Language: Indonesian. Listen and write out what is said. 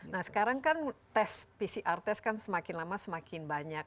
nah sekarang kan tes pcr test kan semakin lama semakin banyak